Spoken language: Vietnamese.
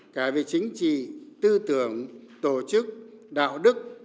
cả về chính trị tư tưởng tổ chức đạo đức